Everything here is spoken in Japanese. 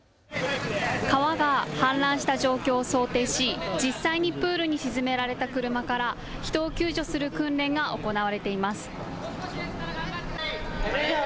川が氾濫した状況を想定し実際にプールに沈められた車から人を救助する訓練が行われています。